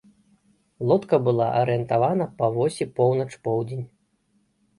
Лодка была арыентавана па восі поўнач-поўдзень.